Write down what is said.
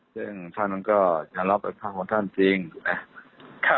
ซึ่งท่านก็จะรับภาพของท่านจริงนะครับ